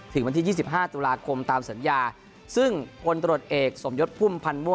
วันที่๒๕ตุลาคมตามสัญญาซึ่งพลตรวจเอกสมยศพุ่มพันธ์มั่